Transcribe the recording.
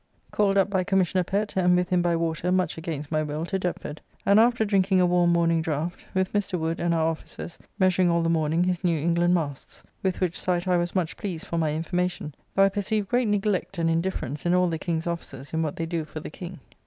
Called up by Commissioner Pett, and with him by water, much against my will, to Deptford, and after drinking a warm morning draft, with Mr. Wood and our officers measuring all the morning his New England masts, with which sight I was much pleased for my information, though I perceive great neglect and indifference in all the King's officers in what they do for the King.